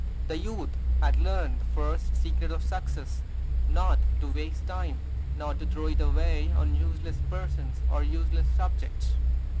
The youth had learned the first secret of success, not to waste time; not to throw it away on useless persons or useless subjects.